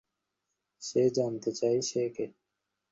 সে জানতে চায় সে কে।